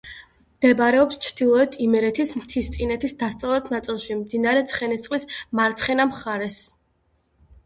მდებარეობს ჩრდილოეთ იმერეთის მთისწინეთის დასავლეთ ნაწილში, მდინარე ცხენისწყლის მარცხენა მხარეს.